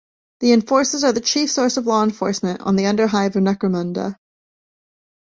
The Enforcers are the chief source of law enforcement in the underhive of Necromunda.